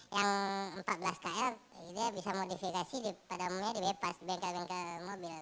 kalau yang empat belas kl dia bisa modifikasi pada umumnya di bypass bengkel bengkel mobil gitu